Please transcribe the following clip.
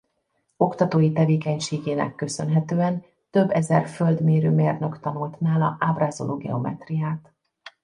Oktatói tevékenységének köszönhetően több ezer földmérő-mérnök tanult nála ábrázoló geometriát.